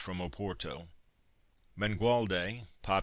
from Oporto. MANGUALDE (pop.